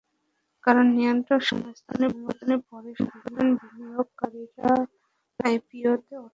কারণ, নিয়ন্ত্রক সংস্থার অনুমোদনের পরই সাধারণ বিনিয়োগকারীরা আইপিওতে অর্থ বিনিয়োগ করেন।